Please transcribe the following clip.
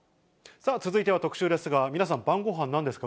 さあ、続いては特集ですが、皆さん、晩ごはん、なんですか。